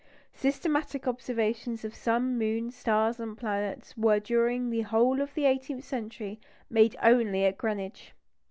Systematic observations of sun, moon, stars, and planets were during the whole of the eighteenth century made only at Greenwich.